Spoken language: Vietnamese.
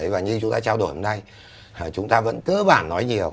và như chúng ta trao đổi hôm nay chúng ta vẫn cơ bản nói nhiều